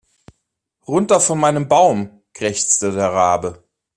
Runter von meinem Baum, krächzte der Rabe.